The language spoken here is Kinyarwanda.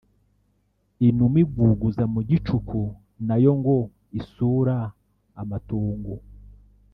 inuma iguguza mu gicuku nayo ngo isura amatongo